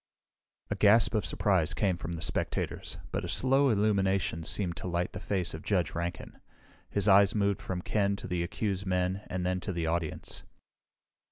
A gasp of surprise came from the spectators, but a slow illumination seemed to light the face of Judge Rankin. His eyes moved from Ken to the accused men and then to the audience.